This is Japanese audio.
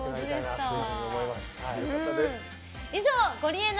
以上、ゴリエの！